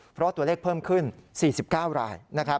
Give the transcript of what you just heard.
เพราะตัวเลขเพิ่มขึ้น๔๙ราย